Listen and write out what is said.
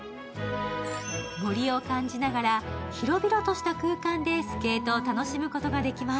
森を感じながら広々とした空間でスケートを楽しむことができます。